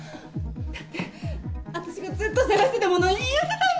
だって私がずっと探してたもの言い当てたんだから。